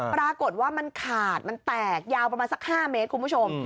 ปรากฏว่ามันขาดมันแตกยาวประมาณสัก๕เมตรคุณผู้ชม